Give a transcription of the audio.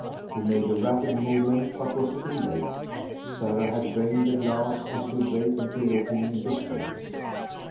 He made a rapid movement, but was too late. Sarah had drained the glass and stood vacantly looking into space.